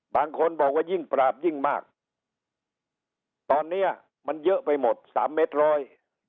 บางคนบอกว่ายิ่งปราบยิ่งมากตอนเนี้ยมันเยอะไปหมดสามเม็ดร้อย